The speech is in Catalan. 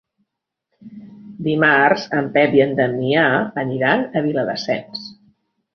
Dimarts en Pep i en Damià aniran a Viladasens.